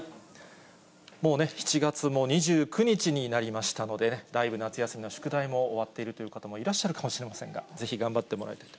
もうね、７月も２９日になりましたので、だいぶ夏休みの宿題も終わっているという方もいらっしゃるかもしれませんが、ぜひ頑張ってもらいたいと。